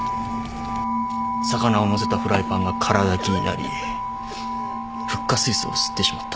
魚をのせたフライパンが空だきになりフッ化水素を吸ってしまった。